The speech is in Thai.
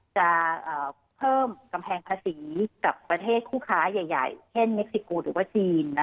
จะเพิ่มกำแพงภาษีกับประเทศคู่ค้าใหญ่เช่นเม็กซิกูหรือว่าจีน